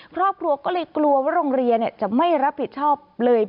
ครอบครัวก็เลยกลัวว่าโรงเรียนจะไม่รับผิดชอบเลย